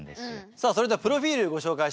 さあそれではプロフィールご紹介します。